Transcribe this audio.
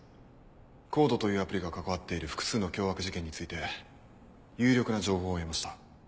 ＣＯＤＥというアプリが関わっている複数の凶悪事件について有力な情報を得ました。